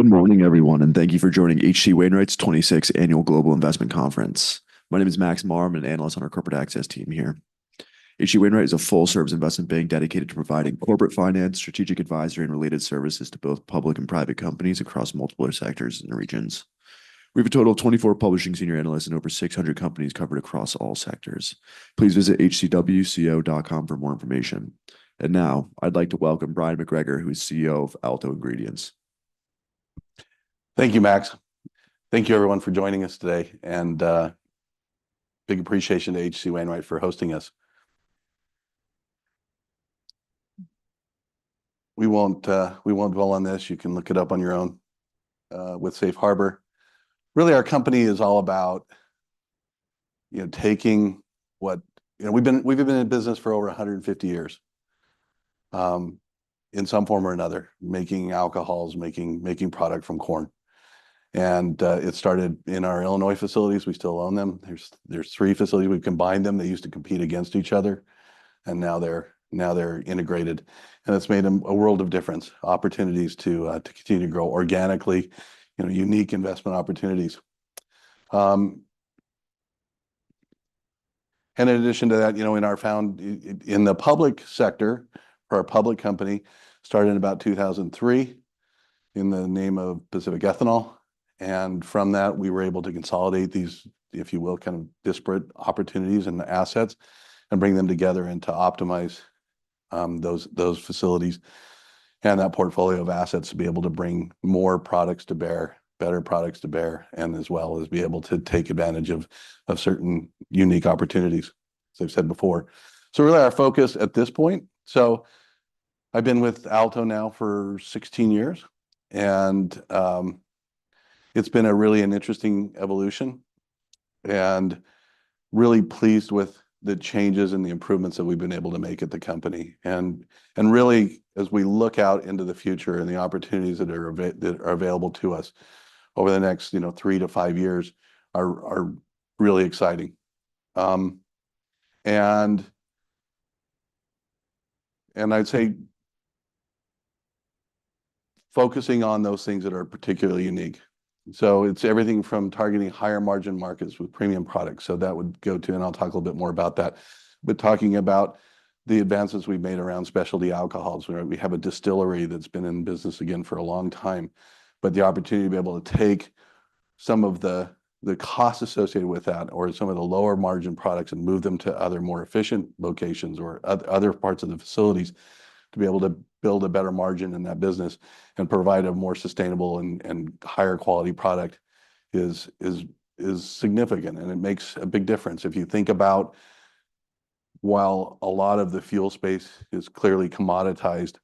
Good morning, everyone, and thank you for joining H.C. Wainwright's twenty-sixth Annual Global Investment Conference. My name is Maxx Marm. I'm an analyst on our corporate access team here. H.C. Wainwright is a full-service investment bank dedicated to providing corporate finance, strategic advisory, and related services to both public and private companies across multiple sectors and regions. We have a total of twenty-four publishing senior analysts and over six hundred companies covered across all sectors. Please visit hcwco.com for more information. And now, I'd like to welcome Bryon McGregor, who is CEO of Alto Ingredients. Thank you, Maxx. Thank you everyone for joining us today, and big appreciation to H.C. Wainwright for hosting us. We won't dwell on this. You can look it up on your own with Safe Harbor. Really, our company is all about, you know, taking what- You know, we've been in business for over a hundred and fifty years in some form or another, making alcohols, making product from corn, and it started in our Illinois facilities. We still own them. There's three facilities. We've combined them. They used to compete against each other, and now they're integrated, and it's made a world of difference, opportunities to continue to grow organically, you know, unique investment opportunities, and in addition to that, you know, in our found... In the public sector, for our public company, started in about 2003, in the name of Pacific Ethanol, and from that, we were able to consolidate these, if you will, kind of disparate opportunities and assets and bring them together and to optimize those facilities and that portfolio of assets to be able to bring more products to bear, better products to bear, and as well as be able to take advantage of certain unique opportunities, as I've said before. So really, our focus at this point. So I've been with Alto now for 16 years, and it's been a really interesting evolution, and really pleased with the changes and the improvements that we've been able to make at the company. Really, as we look out into the future and the opportunities that are available to us over the next, you know, three to five years, are really exciting. I'd say focusing on those things that are particularly unique. It's everything from targeting higher-margin markets with premium products. That would go to, and I'll talk a little bit more about that. But talking about the advances we've made around specialty alcohols, where we have a distillery that's been in business again for a long time, but the opportunity to be able to take some of the costs associated with that or some of the lower-margin products and move them to other, more efficient locations or other parts of the facilities, to be able to build a better margin in that business and provide a more sustainable and higher quality product is significant, and it makes a big difference. If you think about, while a lot of the fuel space is clearly commoditized,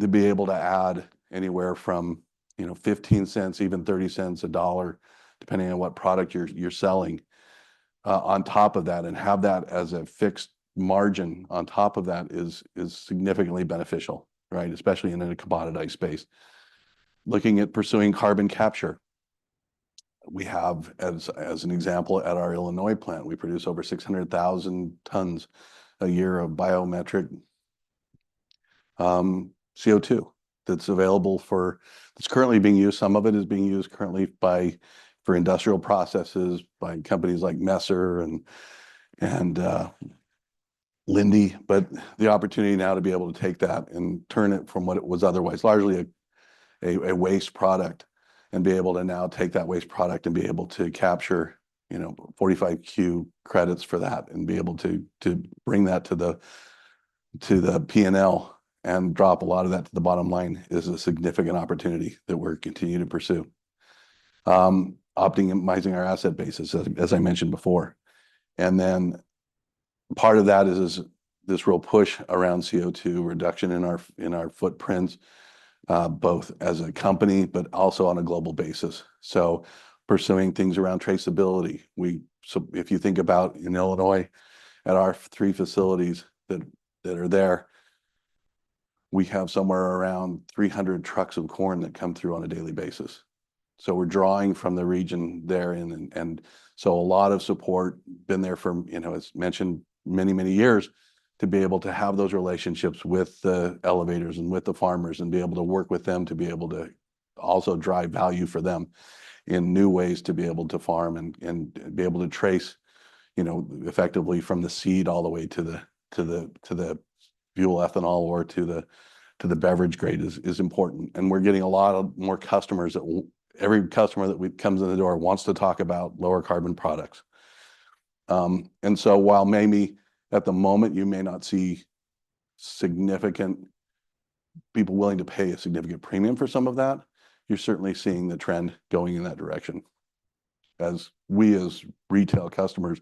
to be able to add anywhere from, you know, $0.15, even $0.30, $1, depending on what product you're selling on top of that, and have that as a fixed margin on top of that is significantly beneficial, right? Especially in a commoditized space. Looking at pursuing carbon capture, we have as an example at our Illinois plant, we produce over six hundred thousand tons a year of biogenic CO2, that's available for. That's currently being used. Some of it is being used currently for industrial processes by companies like Messer and Linde. But the opportunity now to be able to take that and turn it from what it was otherwise largely a waste product, and be able to now take that waste product and be able to capture, you know, 45Q credits for that and be able to bring that to the P&L and drop a lot of that to the bottom line, is a significant opportunity that we're continuing to pursue. Optimizing our asset bases, as I mentioned before, and then part of that is this real push around CO2 reduction in our footprints, both as a company but also on a global basis. So pursuing things around traceability. So if you think about in Illinois, at our three facilities that are there, we have somewhere around three hundred trucks of corn that come through on a daily basis. So we're drawing from the region there, and so a lot of support been there for, you know, as mentioned, many, many years, to be able to have those relationships with the elevators and with the farmers and be able to work with them to be able to also drive value for them in new ways, to be able to farm and be able to trace, you know, effectively from the seed all the way to the fuel ethanol or to the beverage grade is important. And we're getting a lot more customers. Every customer that comes in the door wants to talk about lower carbon products. And so while maybe at the moment you may not see significant people willing to pay a significant premium for some of that, you're certainly seeing the trend going in that direction, as we, as retail customers,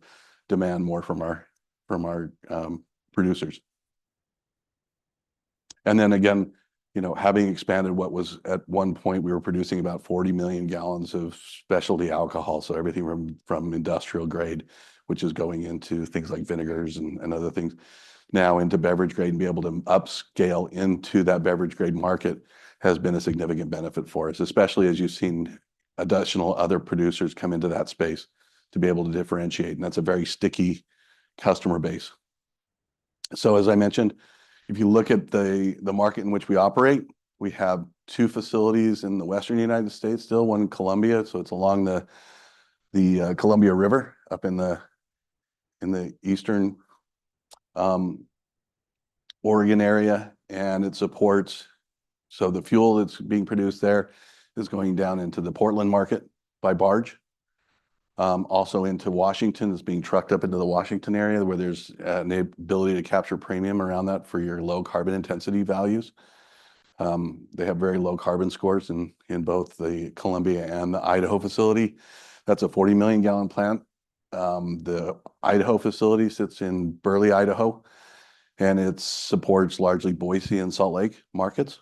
demand more from our producers. And then again, you know, having expanded what was at one point we were producing about 40 million gallons of specialty alcohol, so everything from industrial grade, which is going into things like vinegars and other things, now into beverage grade, and be able to upscale into that beverage grade market has been a significant benefit for us, especially as you've seen additional other producers come into that space, to be able to differentiate, and that's a very sticky customer base. So as I mentioned, if you look at the market in which we operate, we have two facilities in the Western United States still, one in Columbia, so it's along the Columbia River, up in the eastern Oregon area, and it supports. So the fuel that's being produced there is going down into the Portland market by barge, also into Washington. It's being trucked up into the Washington area, where there's an ability to capture premium around that for your low carbon intensity values. They have very low carbon scores in both the Columbia and the Idaho facility. That's a 40 million gallon plant. The Idaho facility sits in Burley, Idaho, and it supports largely Boise and Salt Lake markets.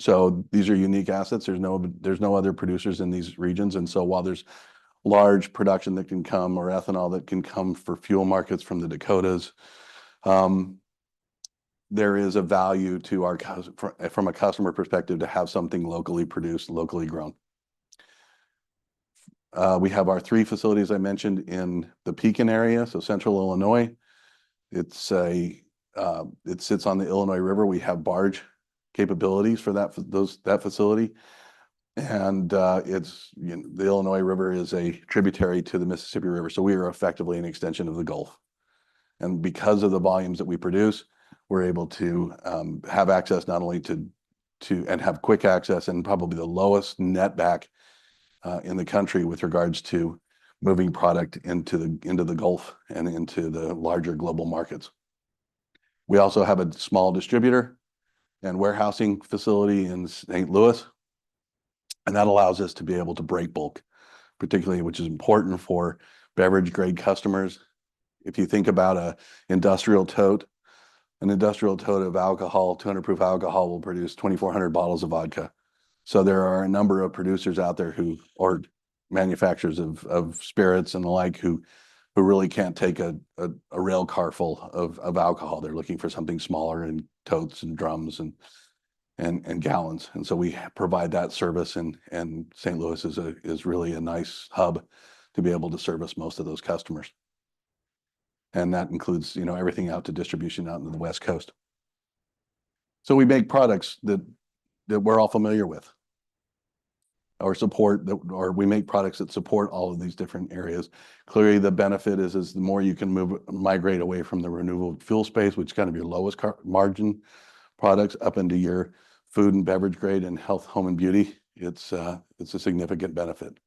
So these are unique assets. There's no other producers in these regions, and so while there's large production that can come or ethanol that can come for fuel markets from the Dakotas, there is a value to our customers from a customer perspective, to have something locally produced, locally grown. We have our three facilities, I mentioned, in the Pekin area, so central Illinois. It sits on the Illinois River. We have barge capabilities for that, for those, that facility, and it's, you know, the Illinois River is a tributary to the Mississippi River, so we are effectively an extension of the Gulf. Because of the volumes that we produce, we're able to have access not only to and have quick access and probably the lowest netback in the country with regards to moving product into the Gulf and into the larger global markets. We also have a small distributor and warehousing facility in St. Louis, and that allows us to be able to break bulk, particularly, which is important for beverage-grade customers. If you think about an industrial tote of alcohol, 200-proof alcohol, will produce 2,400 bottles of vodka. So there are a number of producers out there who, or manufacturers of spirits and the like, who really can't take a rail car full of alcohol. They're looking for something smaller in totes and drums and gallons. We provide that service, and St. Louis is really a nice hub to be able to service most of those customers. That includes, you know, everything out to distribution out into the West Coast. We make products that we're all familiar with, or support that, or we make products that support all of these different areas. Clearly, the benefit is the more you can move, migrate away from the renewable fuel space, which is kind of your lowest margin products, up into your food and beverage grade and health, home, and beauty. It's a significant benefit.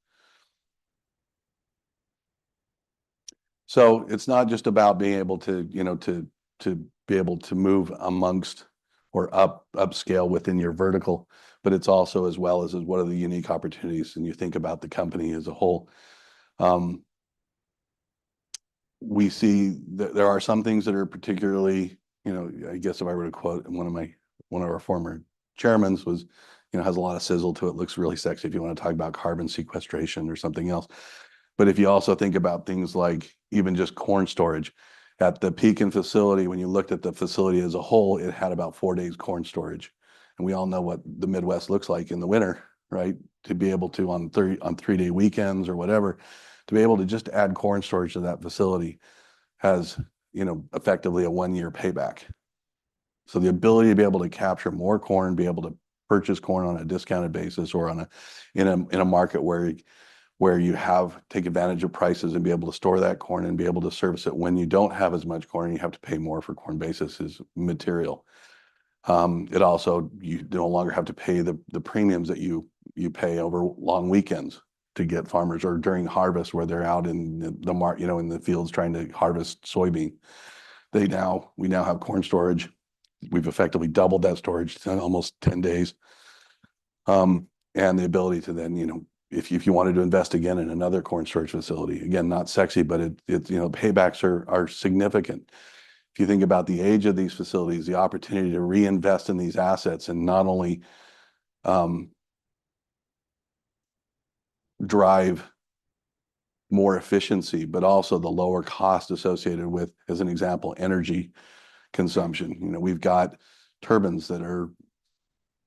So it's not just about being able to, you know, to be able to move amongst or up, upscale within your vertical, but it's also as well as what are the unique opportunities, and you think about the company as a whole. We see that there are some things that are particularly, you know, I guess if I were to quote one of our former chairmen was, "You know, has a lot of sizzle to it, looks really sexy," if you want to talk about carbon sequestration or something else. But if you also think about things like even just corn storage, at the Pekin facility, when you looked at the facility as a whole, it had about four days corn storage. And we all know what the Midwest looks like in the winter, right? To be able to on 3-day weekends or whatever, to be able to just add corn storage to that facility has, you know, effectively a 1-year payback. So the ability to be able to capture more corn, be able to purchase corn on a discounted basis, or in a market where you have take advantage of prices and be able to store that corn and be able to service it. When you don't have as much corn, you have to pay more for corn basis material. It also, you no longer have to pay the premiums that you pay over long weekends to get farmers, or during harvest, where they're out, you know, in the fields trying to harvest soybean. We now have corn storage. We've effectively doubled that storage to almost 10 days. The ability to then, you know, if you wanted to invest again in another corn storage facility, again, not sexy, but it you know, paybacks are significant. If you think about the age of these facilities, the opportunity to reinvest in these assets and not only drive more efficiency, but also the lower cost associated with, as an example, energy consumption. You know, we've got turbines that are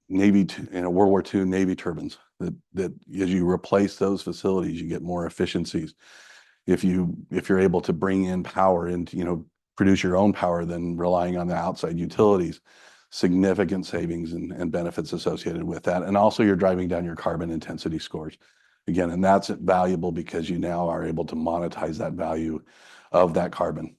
Navy, you know, World War II Navy turbines, that as you replace those facilities, you get more efficiencies. If you're able to bring in power and, you know, produce your own power rather than relying on the outside utilities, significant savings and benefits associated with that. Also, you're driving down your carbon intensity scores. Again, that's valuable because you now are able to monetize that value of that carbon.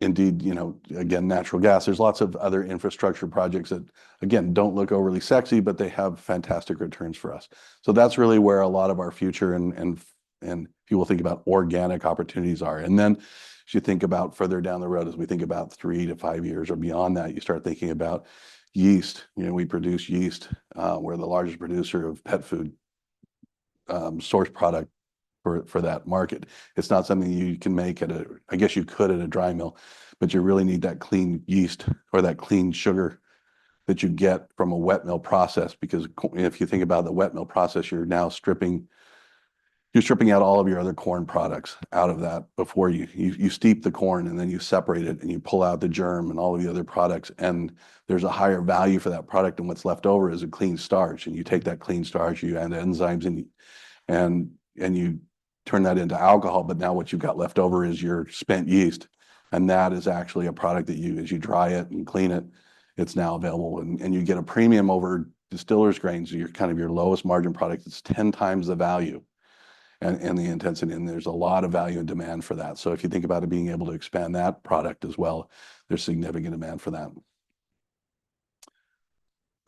Indeed, you know, again, natural gas. There's lots of other infrastructure projects that, again, don't look overly sexy, but they have fantastic returns for us. So that's really where a lot of our future and people think about organic opportunities are. And then as you think about further down the road, as we think about three to five years or beyond that, you start thinking about yeast. You know, we produce yeast. We're the largest producer of pet food source product for that market. It's not something you can make at a I guess you could at a dry mill, but you really need that clean yeast or that clean sugar that you get from a wet mill process, because if you think about the wet mill process, you're now stripping out all of your other corn products out of that before you steep the corn, and then you separate it, and you pull out the germ and all of the other products, and there's a higher value for that product, and what's left over is a clean starch, and you take that clean starch, you add enzymes in, and you turn that into alcohol, but now what you've got left over is your spent yeast, and that is actually a product that you, as you dry it and clean it, it's now available. You get a premium over distiller's grains, so your kind of lowest margin product. It's ten times the value and the intensity, and there's a lot of value and demand for that. If you think about it, being able to expand that product as well, there's significant demand for that.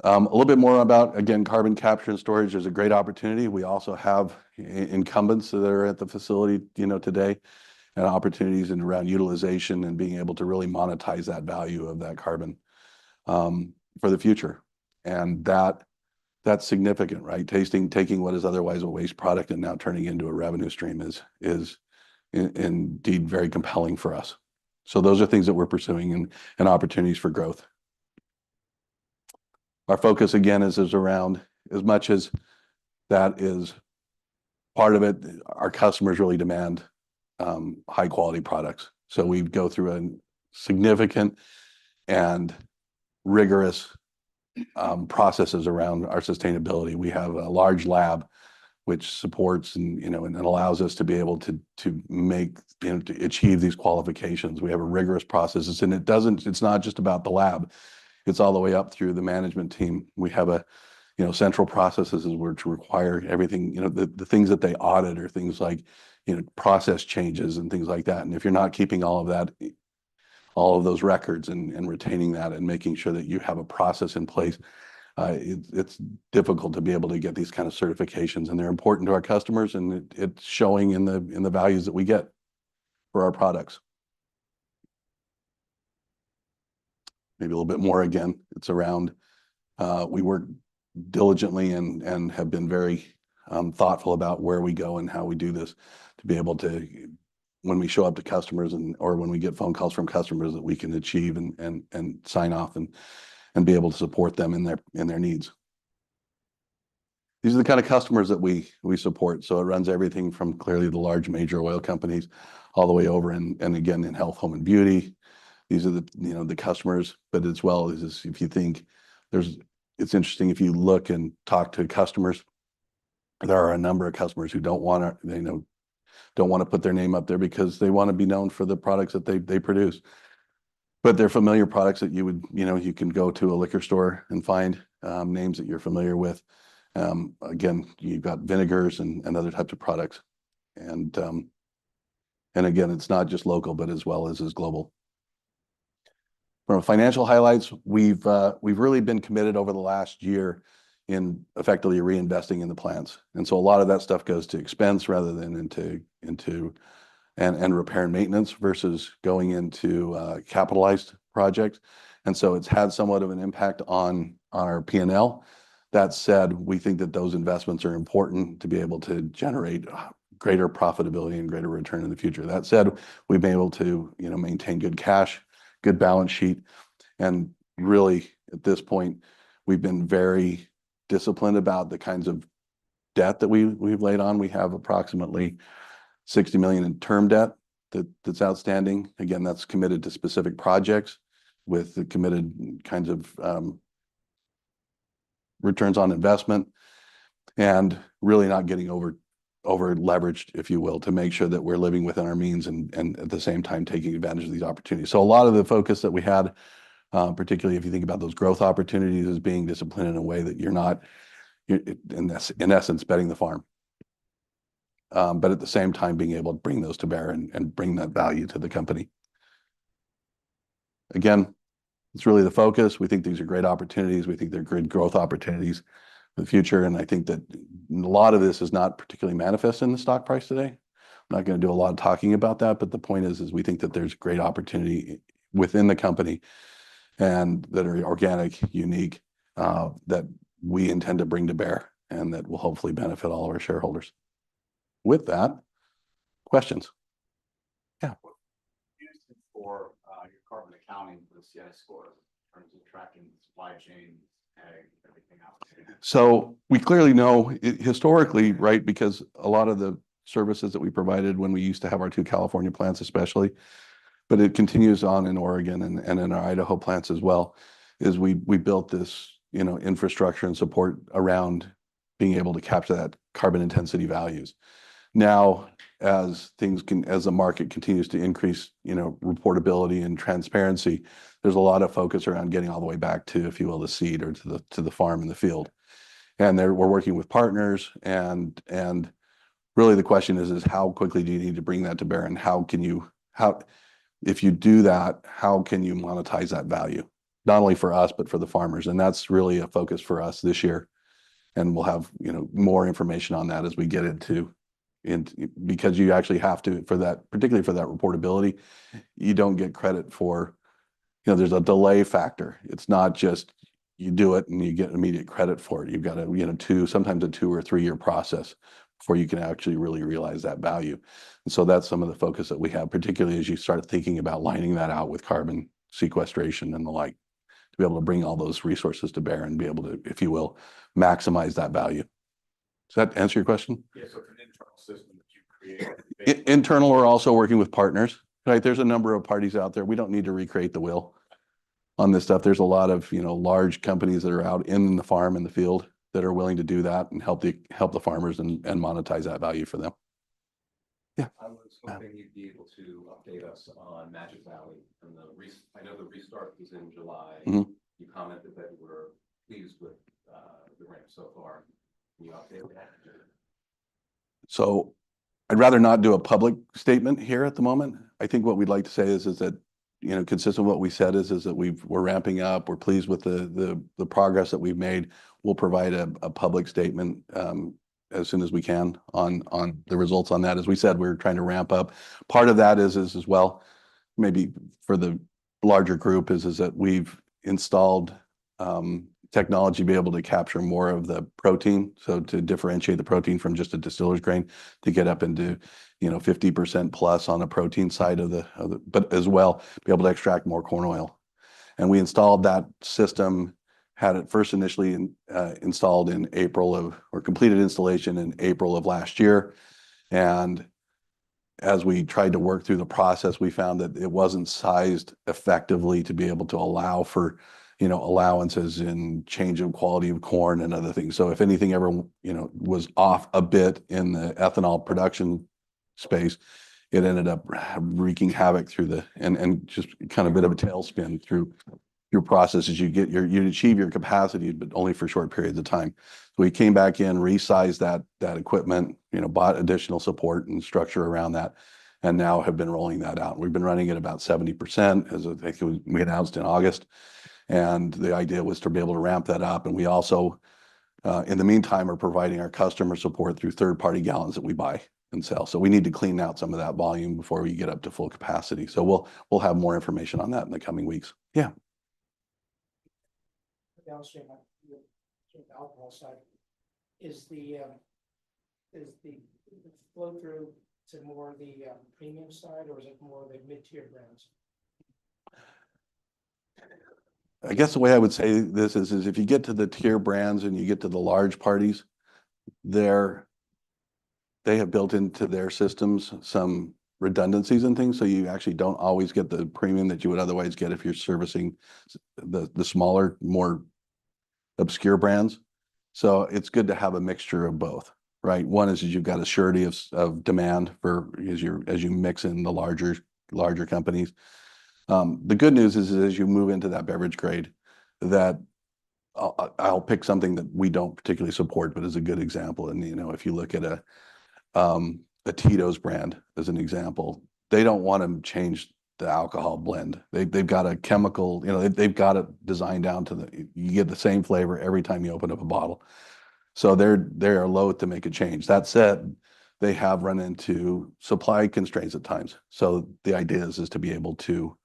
A little bit more about, again, carbon capture and storage. There's a great opportunity. We also have incumbents that are at the facility, you know, today, and opportunities in around utilization and being able to really monetize that value of that carbon for the future. And that, that's significant, right? Taking what is otherwise a waste product and now turning into a revenue stream is indeed very compelling for us. Those are things that we're pursuing and opportunities for growth. Our focus, again, is around as much as that is part of it, our customers really demand high-quality products. So we go through a significant and rigorous processes around our sustainability. We have a large lab which supports and, you know, and it allows us to be able to to make, you know, to achieve these qualifications. We have a rigorous processes, and it doesn't. It's not just about the lab, it's all the way up through the management team. We have a, you know, central processes, as where to require everything. You know, the things that they audit are things like, you know, process changes and things like that. And if you're not keeping all of that, all of those records and retaining that, and making sure that you have a process in place, it's difficult to be able to get these kind of certifications. They're important to our customers, and it's showing in the values that we get for our products. Maybe a little bit more, again, it's around we work diligently and have been very thoughtful about where we go and how we do this to be able to, when we show up to customers and or when we get phone calls from customers, that we can achieve and sign off and be able to support them in their needs. These are the kind of customers that we support. So it runs everything from clearly the large major oil companies, all the way over and again, in health, home, and beauty. These are the, you know, the customers, but as well as if you think there's. It's interesting, if you look and talk to customers, there are a number of customers who don't wanna, you know, don't wanna put their name up there because they wanna be known for the products that they produce. But they're familiar products that you would, you know, you can go to a liquor store and find names that you're familiar with. Again, you've got vinegars and other types of products. And again, it's not just local, but as well as global. From a financial highlights, we've really been committed over the last year in effectively reinvesting in the plants. And so a lot of that stuff goes to expense rather than into and repair and maintenance, versus going into capitalized projects. And so it's had somewhat of an impact on our P&L. That said, we think that those investments are important to be able to generate greater profitability and greater return in the future. That said, we've been able to, you know, maintain good cash, good balance sheet, and really, at this point, we've been very disciplined about the kinds of debt that we've laid on. We have approximately $60 million in term debt that's outstanding. Again, that's committed to specific projects with the committed kinds of returns on investment, and really not getting over-leveraged, if you will, to make sure that we're living within our means, and at the same time, taking advantage of these opportunities. So a lot of the focus that we had, particularly if you think about those growth opportunities, is being disciplined in a way that you're not, in essence, betting the farm. But at the same time, being able to bring those to bear and bring that value to the company. Again, it's really the focus. We think these are great opportunities, we think they're good growth opportunities for the future, and I think that a lot of this is not particularly manifest in the stock price today. I'm not gonna do a lot of talking about that, but the point is, we think that there's great opportunity within the company and that are organic, unique, that we intend to bring to bear, and that will hopefully benefit all of our shareholders. With that, questions? Yeah.... For your carbon accounting for the CI scores in terms of tracking the supply chain and everything else? So we clearly know historically, right, because a lot of the services that we provided when we used to have our two California plants especially, but it continues on in Oregon and in our Idaho plants as well, is we built this, you know, infrastructure and support around being able to capture that carbon intensity values. Now, as the market continues to increase, you know, reportability and transparency, there's a lot of focus around getting all the way back to, if you will, the seed or to the farm and the field. And we're working with partners, and really the question is: how quickly do you need to bring that to bear? And how can you? If you do that, how can you monetize that value? Not only for us, but for the farmers. That's really a focus for us this year, and we'll have, you know, more information on that as we get into, because you actually have to, for that, particularly for that reportability, you don't get credit for... You know, there's a delay factor. It's not just you do it, and you get immediate credit for it. You've got a, you know, two, sometimes a two or three-year process before you can actually really realize that value. And so that's some of the focus that we have, particularly as you start thinking about lining that out with carbon sequestration and the like, to be able to bring all those resources to bear and be able to, if you will, maximize that value. Does that answer your question? Yes, so it's an internal system that you created- Internally, we're also working with partners, right? There's a number of parties out there. We don't need to reinvent the wheel on this stuff. There's a lot of, you know, large companies that are out on the farm, in the field, that are willing to do that and help the farmers and monetize that value for them. Yeah. I was hoping you'd be able to update us on Magic Valley and I know the restart was in July. Mm-hmm. You commented that you were pleased with the ramp so far. Can you update what happened to it? So I'd rather not do a public statement here at the moment. I think what we'd like to say is that, you know, consistent with what we said is that we're ramping up. We're pleased with the progress that we've made. We'll provide a public statement as soon as we can on the results on that. As we said, we're trying to ramp up. Part of that is as well, maybe for the larger group, is that we've installed technology to be able to capture more of the protein, so to differentiate the protein from just a distiller's grain to get up into, you know, 50% plus on the protein side of the. But as well, be able to extract more corn oil. We installed that system, had it first initially installed in April or completed installation in April of last year. As we tried to work through the process, we found that it wasn't sized effectively to be able to allow for, you know, allowances in change of quality of corn and other things. If anything ever you know, was off a bit in the ethanol production space, it ended up wreaking havoc through the. And just kind of a bit of a tailspin through your processes. You achieve your capacity, but only for short periods of time. We came back in, resized that equipment, you know, bought additional support and structure around that, and now have been rolling that out. We've been running at about 70%, as I think we announced in August, and the idea was to be able to ramp that up. And we also, in the meantime, are providing our customer support through third-party gallons that we buy and sell. So we need to clean out some of that volume before we get up to full capacity, so we'll have more information on that in the coming weeks. Yeah? Downstream, on the alcohol side, is the flow through to more of the premium side, or is it more of the mid-tier brands? I guess the way I would say this is, if you get to the tier brands, and you get to the large parties, they're they have built into their systems some redundancies and things, so you actually don't always get the premium that you would otherwise get if you're servicing the, the smaller, more obscure brands. So it's good to have a mixture of both, right? One is you've got a surety of of demand for, as you mix in the larger companies. The good news is as you move into that beverage grade, that I'll pick something that we don't particularly support but is a good example. You know, if you look at a Tito's brand as an example, they don't want to change the alcohol blend. They've got a chemical... You know, they've got it designed down to a T. You get the same flavor every time you open up a bottle. So they're loath to make a change. That said, they have run into supply constraints at times, so the idea is to be able to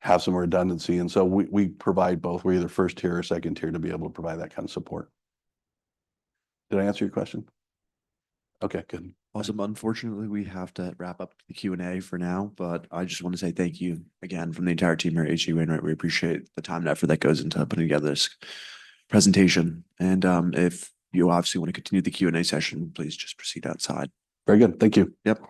have some redundancy, and so we provide both. We're either first tier or second tier to be able to provide that kind of support. Did I answer your question? Okay, good. Awesome. Unfortunately, we have to wrap up the Q&A for now, but I just want to say thank you again from the entire team here at H.C. Wainwright. We appreciate the time and effort that goes into putting together this presentation, and if you obviously want to continue the Q&A session, please just proceed outside. Very good. Thank you. Yep.